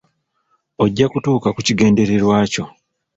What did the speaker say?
Ojja kutuuka ku kigendererwa kyo.